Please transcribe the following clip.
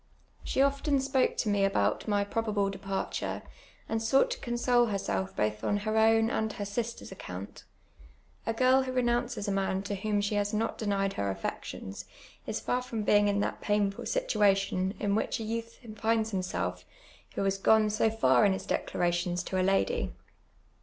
She often spoke to me about my jnobable departure, and souj^ht to Cor.sole herself both on her own and her sisters account. A j^^irl who renounci'S a man to whom she has not di nied her uli'eclions, is far from bein*; in tliat i)ainful situation in which a youth finds himself who has ji; one so far in his declarations to a lady.